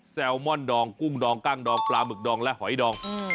แซลมอนดองกุ้งดองกั้งดองปลาหมึกดองและหอยดอง